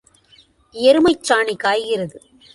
எருமைச் சாணி காய்கிறது.